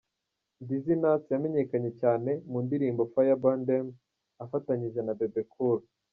Dizzy Nuts yamenyekanye cyane mu ndirimbo ‘Fire Burn Dem’ afatanyije na Bebe Cool.